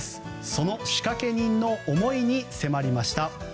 その仕掛け人の思いに迫りました。